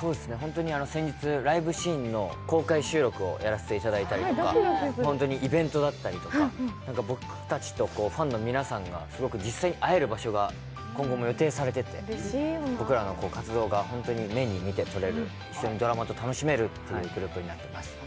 本当に先日ライブシーンの公開収録をさせていただいたりとか、イベントだったりとか、僕たちとファンの皆さんがすごく実際に会える場所が予定されていて、僕らの活動が本当に目で見て取れる非常にドラマと楽しめるグループになっています。